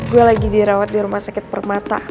gue lagi dirawat di rumah sakit permata